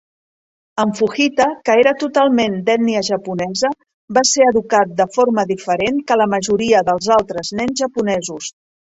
En Fujita, que era totalment d'ètnia japonesa, va ser educat de forma diferent que la majoria dels altres nens japonesos.